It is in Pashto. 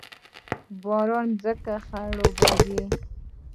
باران ځمکه خړوبوي